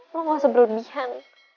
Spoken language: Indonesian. lo gak usah berlebihan